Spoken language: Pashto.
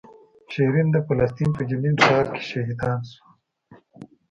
شیرین د فلسطین په جنین ښار کې شهیدان شوه.